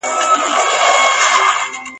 هر یو پر خپله لاره روان سي !.